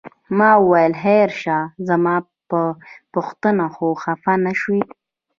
ما وویل خیر شه زما په پوښتنه خو خپه نه شوې؟